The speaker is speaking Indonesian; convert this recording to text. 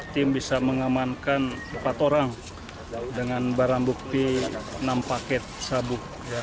tim bisa mengamankan empat orang dengan barang bukti enam paket sabu